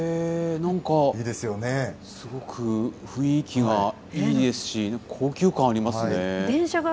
なんかすごく雰囲気がいいですし、高級感ありますね。